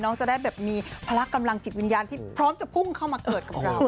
จะได้แบบมีพละกำลังจิตวิญญาณที่พร้อมจะพุ่งเข้ามาเกิดกับเรา